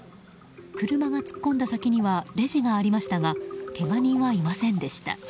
車が突っ込んだ先にはレジがありましたがけが人はいませんでした。